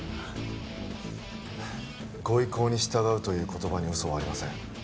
ご意向に従うという言葉に嘘はありません